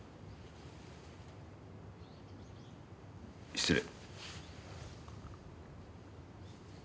失礼。